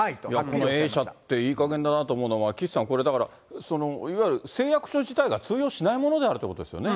このＡ社っていいかげんだな思うんですが、岸さん、これ、だからいわゆる誓約書自体が通用しないというものですよね。